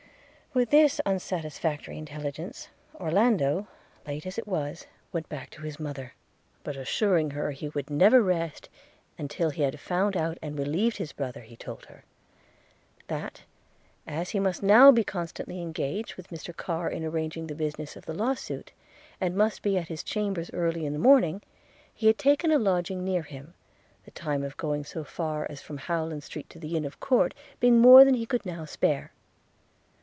With this unsatisfactory intelligence, Orlando late as it was, went back to his mother; but, assuring her he would never rest till he had found out and relieved his brother, he told her, that as he must now be constantly engaged with Mr Carr in arranging the business of the law suit, and must be at his chambers early in a morning, he had taken a lodging near him, the time of going so far as from Howland street to the inn of court being more than he could now spare.